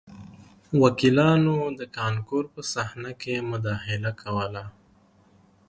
وکیلانو د کانکور په صحنه کې مداخله کوله